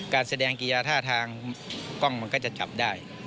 การแสดงกีฬาท่าทางกล้องมันก็จะจับได้